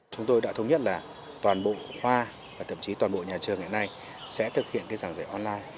chúng tôi đã thống nhất là toàn bộ khoa và thậm chí toàn bộ nhà trường ngày nay sẽ thực hiện giảng dạy online